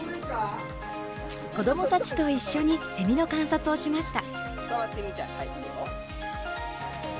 子どもたちと一緒にセミの観察をしました。